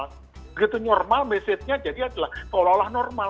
begitu normal mesinnya jadi adalah keolah olah normal